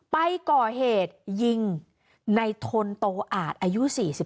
ไปก่อเหตุยิงในทนโตอาจอายุ๔๒